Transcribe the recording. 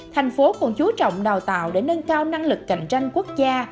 thành phố còn chú trọng đào tạo để nâng cao năng lực cạnh tranh quốc gia